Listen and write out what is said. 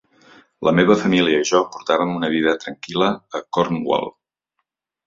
La meva família i jo portàvem una vida tranquil·la a Cornwall.